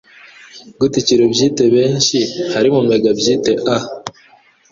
Gute kilobytes benshi hari mu megabyte a?